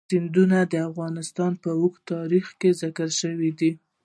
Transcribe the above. سیندونه د افغانستان په اوږده تاریخ کې ذکر شوی دی.